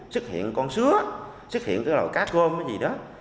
xuất hiện con sứa xuất hiện cái lò cá cơm gì đó